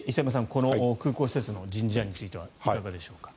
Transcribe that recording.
この空港施設の人事案についてはいかがでしょうか。